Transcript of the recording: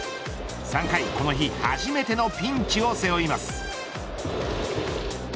３回、この日初めてのピンチを背負います。